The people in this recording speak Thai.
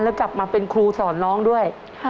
แล้วกลับมาเป็นครูสอนน้องด้วย